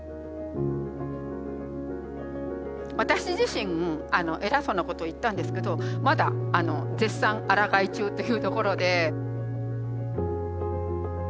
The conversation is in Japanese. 私自身偉そうなことを言ったんですけどまだ絶賛あらがい中というところで。